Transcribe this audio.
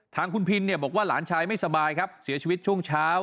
ทางคุณพินเนี่ยบอกว่าหลานชายไม่สบายครับเสียชีวิตช่วงเช้า